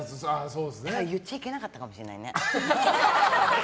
だから言っちゃいけなかったかもしれないね。